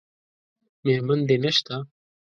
میرمن دې نشته؟